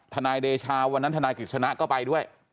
นายเดชาวันนั้นธนายกิจสนะก็ไปด้วย